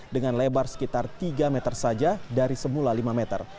dengan lebar sekitar tiga meter saja dari semula lima meter